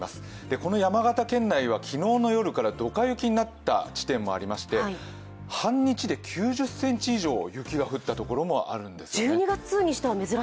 この山形県内は昨日の夜からドカ雪になった地域もありまして半日で９０ｃｍ以上雪が降ったところもあるんですよね。